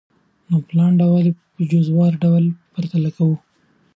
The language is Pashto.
نو په لاندي ډول ئي په جزوار ډول پرتله كوو .